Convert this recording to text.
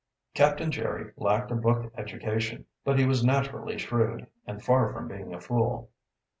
Captain Jerry lacked a book education, but he was naturally shrewd, and far from being a fool.